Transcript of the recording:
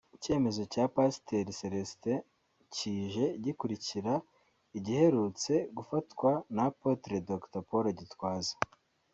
Icyemezo cya Pasiteri Celestin kije gikurikira igiherutse gufatwa na Apotre Dr Paul Gitwaza